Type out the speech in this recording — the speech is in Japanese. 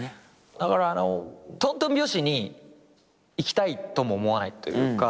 だからとんとん拍子にいきたいとも思わないというか。